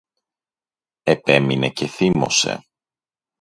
Επέμεινε και θύμωσε